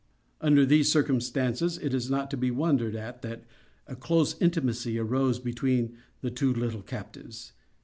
Under these circumstances, it is not to be wondered at that a close intimacy arose between the two little captives.